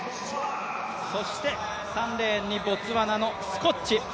そして３レーンにボツワナのスコッチ。